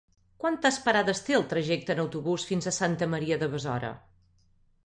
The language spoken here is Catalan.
Quantes parades té el trajecte en autobús fins a Santa Maria de Besora?